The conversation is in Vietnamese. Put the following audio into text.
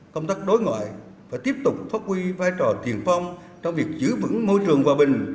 công tác đối ngoại phải tiếp tục phát huy vai trò tiền phong trong việc giữ vững môi trường hòa bình